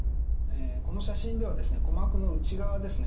この写真では鼓膜の内側ですね